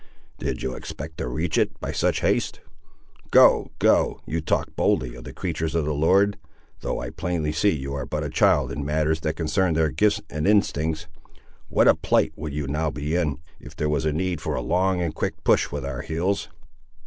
"Did you expect to reach it, by such haste? Go, go; you talk boldly of the creatur's of the Lord, though I plainly see you are but a child in matters that concern their gifts and instincts. What a plight would you now be in, if there was need for a long and a quick push with our heels?"